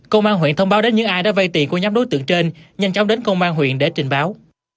công an huyện thông báo đến những ai đã vay tiền của nhóm đối tượng trên nhanh chóng đến công an huyện để trình báo